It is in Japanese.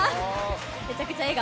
めちゃくちゃ笑顔。